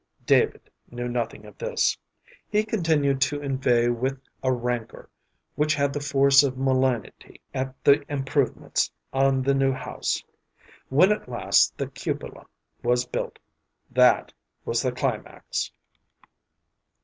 David knew nothing of this. He continued to inveigh with a rancor which had the force of malignity at the improvements on the new house. When at last the cupola was built, that was the climax.